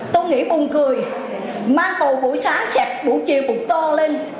tôi nghĩ buồn cười mang bầu buổi sáng xẹp buổi chiều bụng to lên